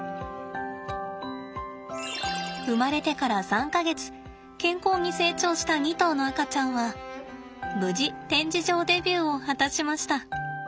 生まれてから３か月健康に成長した２頭の赤ちゃんは無事展示場デビューを果たしました。